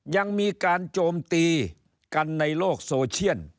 ยังมีการโจมตีกันในโลกโซเชียล